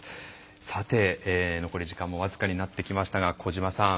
さて残り時間も僅かになってきましたが小島さん